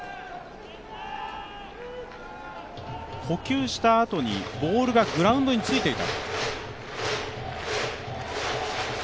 捕球したあとにボールがグラウンドについていた。